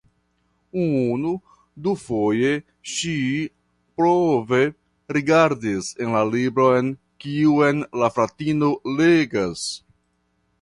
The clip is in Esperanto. Unu, du foje ŝi prove rigardis en la libron kiun la fratino legas.